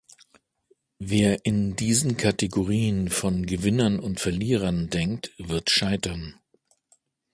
Wer in diesen Kategorien von Gewinnern und Verlierern denkt, wird scheitern.